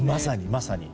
まさに。